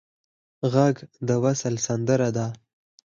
غږ د وصل سندره ده